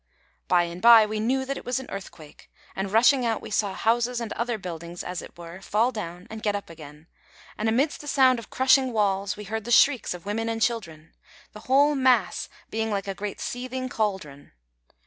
By and by we knew that it was an earthquake; and, rushing out, we saw houses and other buildings, as it were, fall down and get up again; and, amidst the sounds of crushing walls, we heard the shrieks of women and children, the whole mass being like a great seething cauldron.